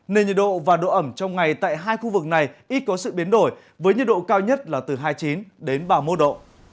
nên nhiệt độ và độ ẩm trong ngày tại hai khu vực này ít có sự biến đổi với nhiệt độ cao nhất là từ hai mươi chín đến ba mươi một độ